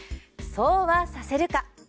そうはさせるか！